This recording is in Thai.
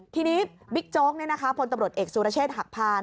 ทีนี้บิ๊กโจ๊กพลตำรวจเอกสุรเชษฐ์หักพาน